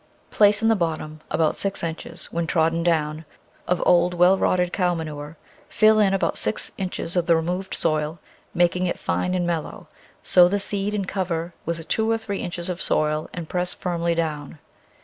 Place in the bottom about six inches, when trodden down, of old, well rotted cow manure, fill in about six inches of the removed soil, making it fine and mellow; sow the seed and cover with two or three inches of soil and press firmly down.